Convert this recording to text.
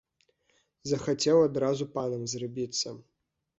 Захацеў адразу панам зрабіцца!